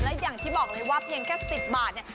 และอย่างที่บอกเลยว่าเพียงแค่๑๐บาทเนี่ย